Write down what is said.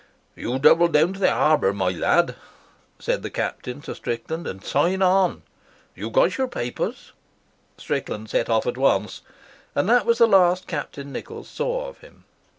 "You double down to the harbour, my lad," said the Captain to Strickland, "and sign on. You've got your papers." Strickland set off at once, and that was the last Captain Nichols saw of him.